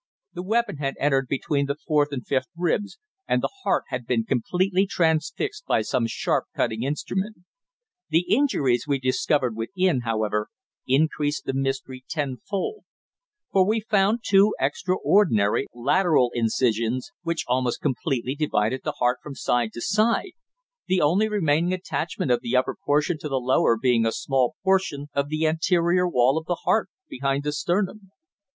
The weapon had entered between the fourth and fifth ribs, and the heart had been completely transfixed by some sharp cutting instrument. The injuries we discovered within, however, increased the mystery ten fold, for we found two extraordinary lateral incisions, which almost completely divided the heart from side to side, the only remaining attachment of the upper portion to the lower being a small portion of the anterior wall of the heart behind the sternum.